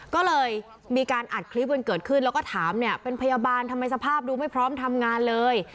ก็เลยมีการอัดคลิปกันเกิดขึ้นแล้วก็ถามเนี่ยเป็นพยาบาลทำไมสภาพดูไม่พร้อมทำงานเลย